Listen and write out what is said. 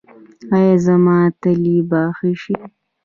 ایا زما تلي به ښه شي؟